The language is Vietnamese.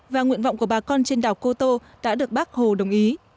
và nguyện vọng của bà con trên đảo cô tô đã được bác hồ đồng ý